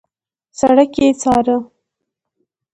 سړک يې څاره.